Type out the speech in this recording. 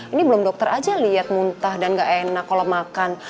ini belum dokter aja liat muntah dan nggak enak kalo makan